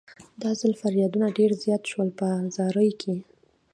دا ځل فریادونه ډېر زیات شول په زارۍ کې.